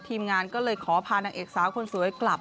ทีมงานก็เลยขอพานางเอกสาวคนสวยกลับ